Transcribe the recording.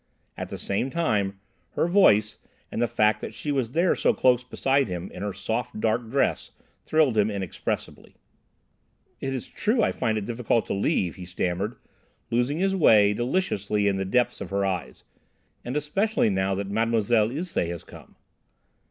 At the same time, her voice, and the fact that she was there so close beside him in her soft dark dress, thrilled him inexpressibly. "It is true I find it difficult to leave," he stammered, losing his way deliciously in the depths of her eyes, "and especially now that Mademoiselle Ilsé has come."